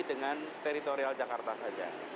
dengan teritorial jakarta saja